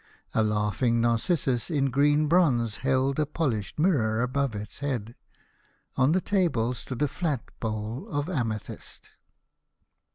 A laughing Narcissus in green bronze held a polished mirror above its head. On the table stood a flat bowl of amethyst.